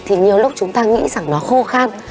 thì nhiều lúc chúng ta nghĩ rằng nó khô khăn